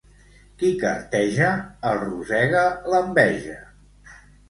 Qui carteja, el rosega l'enveja.